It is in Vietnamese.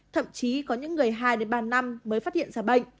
thậm chí có những người hai đến ba năm mới phát hiện ra bệnh